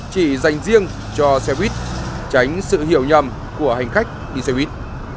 chỉ dành riêng cho xe buýt tránh sự hiểu nhầm của hành khách đi xe buýt